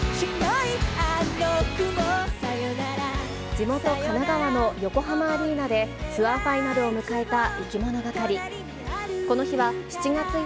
地元、神奈川の横浜アリーナで、ツアーファイナルを迎えたいきものがかり。